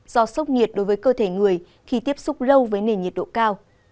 do sốc nhiệt đối với cơ thể người khi tiếp xúc lâu với nền nhiệt độ cao